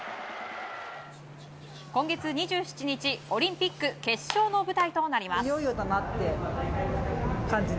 今月２７日、オリンピック決勝の舞台となります。